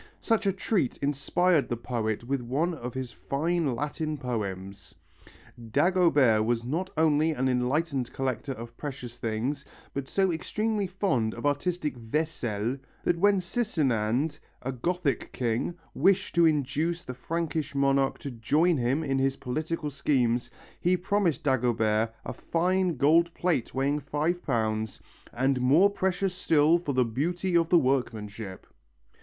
Such a treat inspired the poet with one of his fine Latin poems. Dagobert was not only an enlightened collector of precious things but so extremely fond of artistic "vaisselle" that when Sisinande, a Gothic king, wished to induce the Frankish monarch to join him in his political schemes he promised Dagobert a fine gold plate weighing five pounds "and more precious still for the beauty of the workmanship."